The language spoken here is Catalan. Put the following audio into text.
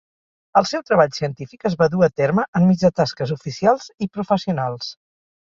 El seu treball científic es va dur a terme enmig de tasques oficials i professionals.